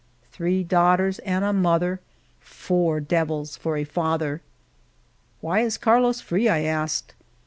Three daughters and a mother, four devils for a father.'" "Why is Carlos free?" I asked.